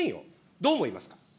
どう思いますか。